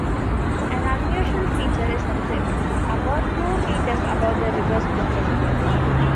An unusual feature is the crypt, about two metres above the river's water level.